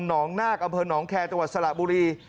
หนองนาคอำเภอหนองแคร์จังหวัดสระบุรี